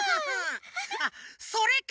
あっそれか。